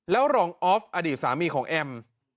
แล้วรองออฟอดีตสามีของแอม